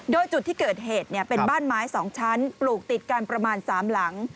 โดยจุดที่เกิดเหตุเป็นบ้านไม้๒ชั้นปลูกติดกันประมาณ๓หลัง